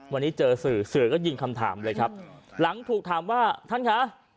วันนี้เจอสื่อสื่อก็ยิงคำถามเลยครับหลังถูกถามว่าท่านคะ